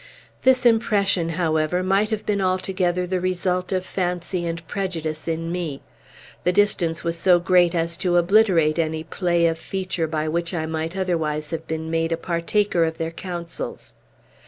This impression, however, might have been altogether the result of fancy and prejudice in me. The distance was so great as to obliterate any play of feature by which I might otherwise have been made a partaker of their counsels.